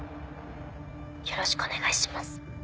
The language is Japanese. よろしくお願いします。